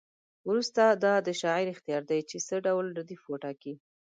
وروسته دا د شاعر اختیار دی چې څه ډول ردیف وټاکي.